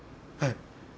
はい。